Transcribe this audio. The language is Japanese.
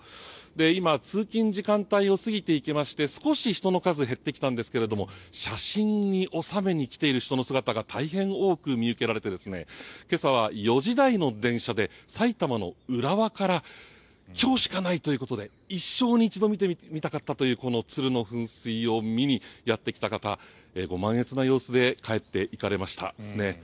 今、通勤時間帯を過ぎていきまして少し人の数が減ってきたんですが写真に収めに来ている人の姿が大変多く見受けられて今朝は４時台の電車で埼玉の浦和から今日しかないということで一生に一度見てみたかったというこのツルの噴水を見にやってきた方、ご満悦な様子で帰っていかれましたね。